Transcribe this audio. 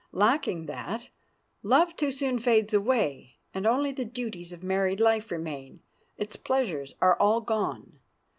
Lacking that, love too soon fades away, and only the duties of married life remain; its pleasures are all gone.